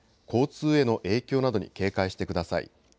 交通への影響などに警戒してください。